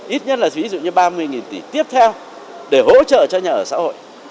ít nhất là ví dụ như ba mươi tỷ tiếp theo để hỗ trợ cho nhà ở xã hội